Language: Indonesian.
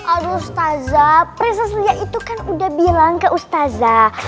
aduh ustazah prinses lia itu kan udah bilang ke ustazah